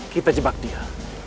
kita jebak dia